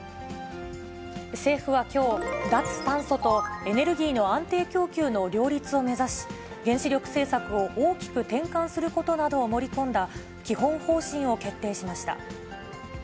政府はきょう、脱炭素とエネルギーの安定供給の両立を目指し、原子力政策を大きく転換することなどを盛り込んだ基本方針を決定しました。